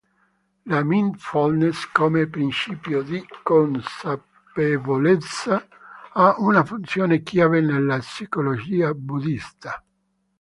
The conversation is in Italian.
La mindfulness come principio di consapevolezza ha una funzione chiave nella psicologia buddhista.